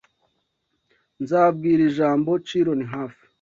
Nzabwira ijambo Chiron hafi